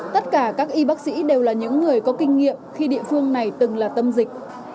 tất cả các y bác sĩ đều là những người có kinh nghiệm khi địa phương này từng là tâm dịch